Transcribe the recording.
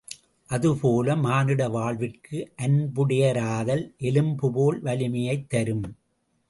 அதுபோல மானுட வாழ்விற்கு அன்புடையராதல், எலும்புபோல் வலிமையைத் தரும்.